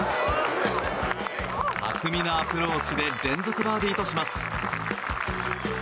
巧みなアプローチで連続バーディーとします。